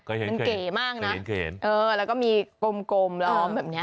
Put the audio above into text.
เคยเห็นเคยเห็นแล้วก็มีกลมร้อมแบบนี้